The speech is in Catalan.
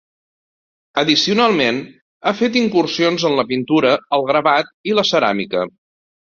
Addicionalment, ha fet incursions en la pintura, el gravat i la ceràmica.